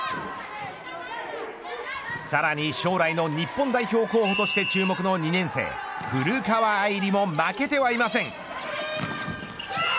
さらに将来の日本代表候補として注目の２年生古川愛梨も負けてはいません。